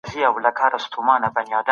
وساتې په مـينه يـاره